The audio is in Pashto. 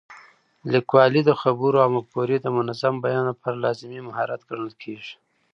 لیکوالی د خبرو او مفکورو د منظم بیان لپاره لازمي مهارت ګڼل کېږي.